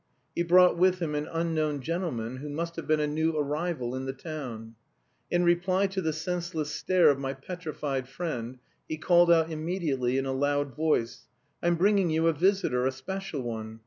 He brought with him an unknown gentleman, who must have been a new arrival in the town. In reply to the senseless stare of my petrified friend, he called out immediately in a loud voice: "I'm bringing you a visitor, a special one!